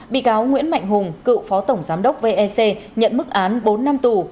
bị cáo nguyễn mạnh hùng cựu phó tổng giám đốc vec nhận mức án bốn năm tù